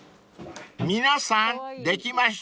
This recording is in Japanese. ［皆さんできました？］